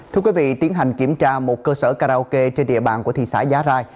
thưa quý vị tiến hành kiểm tra một cơ sở karaoke trên địa bàn của thị xã giá rai